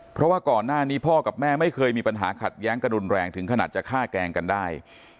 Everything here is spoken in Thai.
เพราะว่าก่อนหน้านี้พ่อกับแม่ไม่เคยมีปัญหาขัดแย้งกระดุนแรงถึงขนาดจะฆ่าแกล้งกันได้